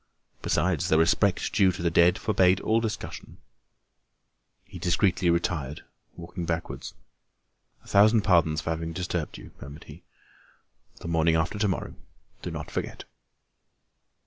Besides, the respect due to the dead forbade all discussion. He discreetly retired, walking backwards. "A thousand pardons for having disturbed you," murmured he. "The morning after to morrow; do not forget."